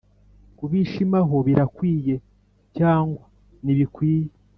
Kubishimaho birakwiye cyangwa nibikwiye